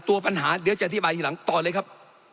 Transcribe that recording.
ตัวปัญหาเดี๋ยวจะอธิบายทีหลังต่อเลยครับ